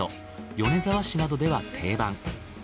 米沢市などでは定番。